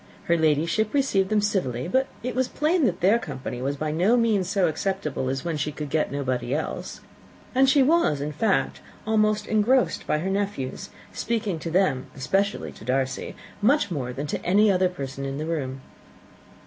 Her Ladyship received them civilly, but it was plain that their company was by no means so acceptable as when she could get nobody else; and she was, in fact, almost engrossed by her nephews, speaking to them, especially to Darcy, much more than to any other person in the room.